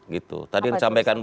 gitu tadi yang disampaikan